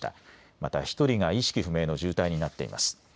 また１人が意識不明の重体になっています。